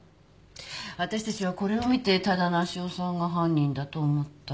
わたしたちはこれを見て多田梨世さんが犯人だと思った。